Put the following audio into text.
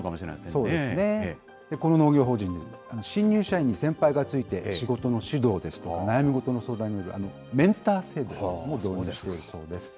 そうですね、この農業法人、新入社員に先輩がついて、仕事の指導ですとか、悩みごとの相談に乗る、メンター制度というのも導入しているそうです。